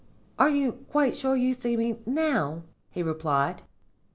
"'Are you quite sure you see me now?' he replied.